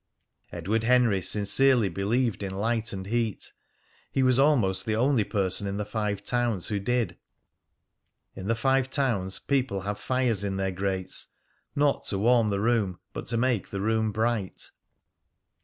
Edward Henry sincerely believed in light and heat; he was almost the only person in the Five Towns who did. In the Five Towns people have fires in their grates not to warm the room, but to make the room bright.